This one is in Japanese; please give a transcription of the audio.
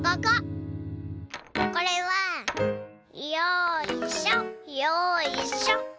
これはよいしょ。